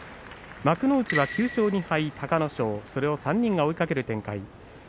幕内は９勝２敗、隆の勝それを３人が追いかける展開。